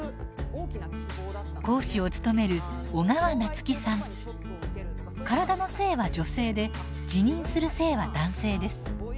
講師を務める体の性は女性で自認する性は男性です。